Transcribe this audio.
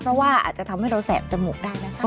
เพราะว่าอาจจะทำให้เราแสบจมูกได้นะคะ